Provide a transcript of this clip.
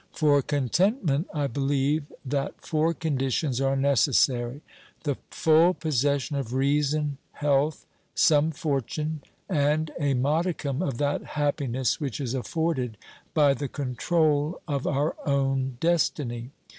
For contentment I believe that four conditions are necessary : tlie full possession of reason, health, some fortune and a modicum of that happiness which is afforded by the control of our own destiny.